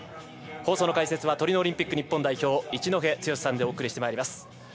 放送の解説はトリノオリンピック日本代表一戸剛さんでお送りします。